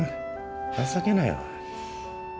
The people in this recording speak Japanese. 情けないわ。